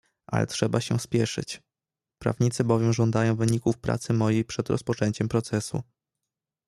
"Ale trzeba się spieszyć, prawnicy bowiem żądają wyników pracy mojej przed rozpoczęciem procesu."